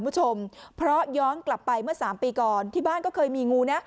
คุณผู้ชมเพราะย้อนกลับไปเมื่อสามปีก่อนที่บ้านก็เคยมีงูนะ